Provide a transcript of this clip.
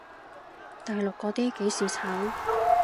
大陸嗰啲幾時炒？